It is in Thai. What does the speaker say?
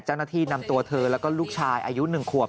เจ้าหน้าที่นำตัวเธอแล้วก็ลูกชายอายุ๑ขวบ